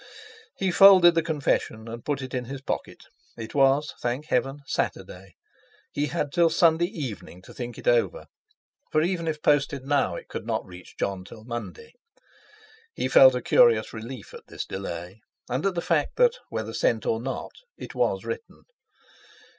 He folded the confession, and put it in his pocket. It was—thank Heaven!—Saturday; he had till Sunday evening to think it over; for even if posted now it could not reach Jon till Monday. He felt a curious relief at this delay, and at the fact that, whether sent or not, it was written.